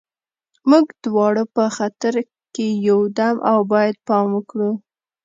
موږ دواړه په خطر کې یو او باید پام وکړو